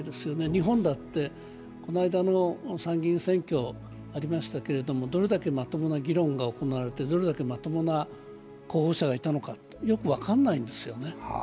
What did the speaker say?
日本だって、この間、参議院選挙ありましたけれどもどれだけまともな議論が行われてどれだけまともな候補者がいたのか、よく分かんないんですよね。